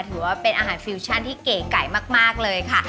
ถือว่าเป็นอาหารฟิวชั่นที่เก๋ไก่มากเลยค่ะ